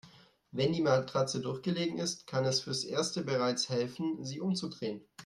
Wenn die Matratze durchgelegen ist, kann es fürs Erste bereits helfen, sie umzudrehen.